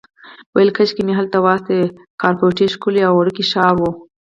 ویل کاشکې مې هلته واستوي، کاپوریتو ښکلی او وړوکی ښار و.